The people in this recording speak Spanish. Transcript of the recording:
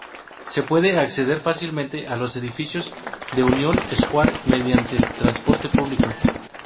Se puede acceder fácilmente a los edificios de Union Square mediante el transporte público.